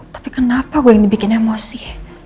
tapi kenapa gue yang dibikin emosi